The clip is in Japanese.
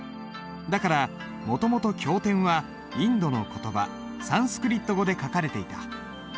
だからもともと経典はインドの言葉サンスクリット語で書かれていた。